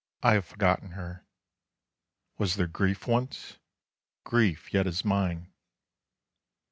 I have forgotten her. Was there grief once? grief yet is mine.